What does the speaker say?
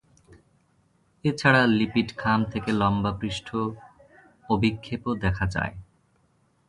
এছাড়া, লিপিড খাম থেকে লম্বা পৃষ্ঠ অভিক্ষেপও দেখা যায়।